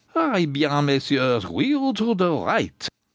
'Eh bien, Messieurs, wheel to de right.